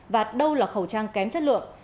và đâu là khẩu trang kém chất lượng